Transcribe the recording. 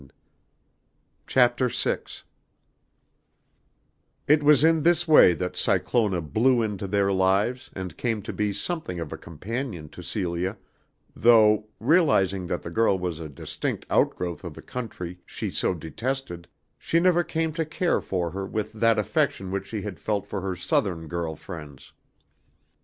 It was in this way that Cyclona blew into their lives and came to be something of a companion to Celia, though, realizing that the girl was a distinct outgrowth of the country she so detested, she never came to care for her with that affection which she had felt for her Southern girl friends.